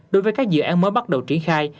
đối với các dự án mới bắt đầu triển khai